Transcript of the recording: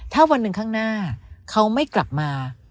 ถ้าวันหนึ่งข้างหน้าเขาไม่กลับมา